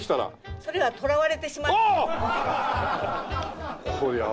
それはとらわれてしまいます。